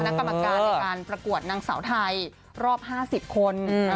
กรรมการในการประกวดนางสาวไทยรอบ๕๐คน